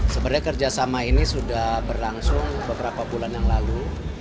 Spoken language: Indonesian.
sebenarnya kerjasama ini sudah berlangsung beberapa bulan yang lalu